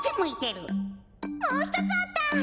もうひとつあった！